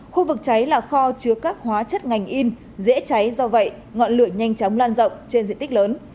khu vực cháy là kho chứa các hóa chất ngành in dễ cháy do vậy ngọn lửa nhanh chóng lan rộng trên diện tích lớn